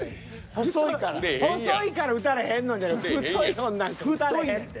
細いから打たれへんのじゃなくて太いもんなんか打たれへんって。